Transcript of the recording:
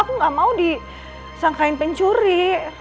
aku gak mau disangkain pencuri